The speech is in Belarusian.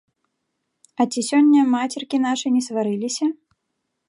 А ці сёння мацеркі нашы не сварыліся?